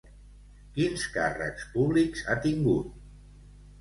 Quins càrrecs públics ha tingut?